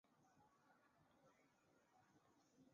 球队的宿敌是真格拿拜列治。